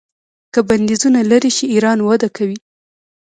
که بندیزونه لرې شي ایران وده کوي.